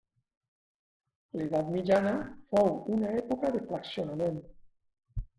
L'edat mitjana fou una època de fraccionament.